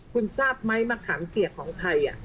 คุณทราบไหมมะขามเปียกของใคร